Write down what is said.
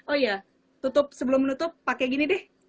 oh iya tutup sebelum menutup pakai gini deh